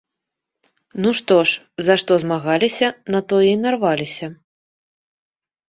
Ну што ж, за што змагаліся, на тое і нарваліся.